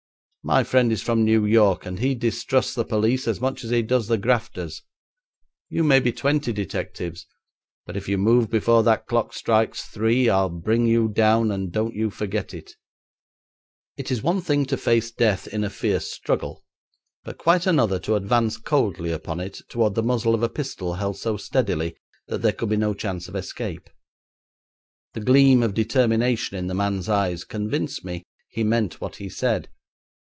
'My friend is from New York and he distrusts the police as much as he does the grafters. You may be twenty detectives, but if you move before that clock strikes three, I'll bring you down, and don't you forget it.' It is one thing to face death in a fierce struggle, but quite another to advance coldly upon it toward the muzzle of a pistol held so steadily that there could be no chance of escape. The gleam of determination in the man's eyes convinced me he meant what he said.